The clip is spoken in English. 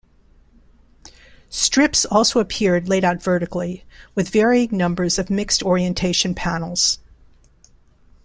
Strips also appeared laid out vertically, with varying numbers of mixed orientation panels.